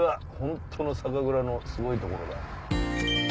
本当の酒蔵のすごいところだ。